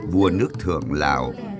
vua nước thượng lào